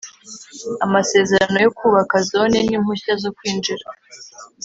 Amasezerano yo kubaka zone n impushya zo kwinjira